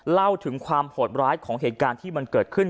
เล่าถึงความโหดร้ายของเหตุการณ์ที่มันเกิดขึ้น